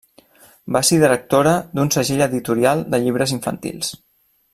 Va ser directora d'un segell editorial de llibres infantils.